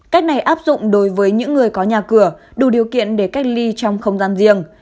cách này áp dụng đối với những người có nhà cửa đủ điều kiện để cách ly trong không gian riêng